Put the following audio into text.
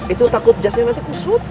itu takut jasnya nanti kusut